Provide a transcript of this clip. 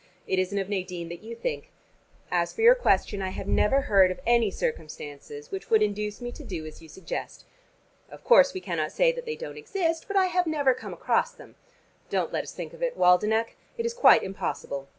It isn't of Nadine that you think. As for your question, I have never heard of any circumstances which would induce me to do as you suggest. Of course we cannot say that they don't exist, but I have never come across them. Don't let us think of it, Waldenech: it is quite impossible.